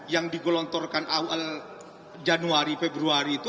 yang digelontorkan awal januari februari itu